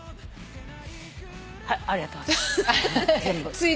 ありがとうございます。